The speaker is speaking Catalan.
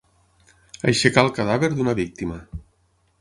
Aixecar el cadàver d'una víctima.